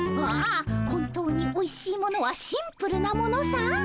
ああ本当においしいものはシンプルなものさ。